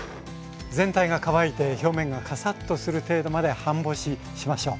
全体が乾いて表面がカサッとする程度まで半干ししましょう。